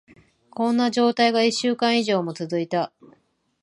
こんな状態が一週間以上も続いた。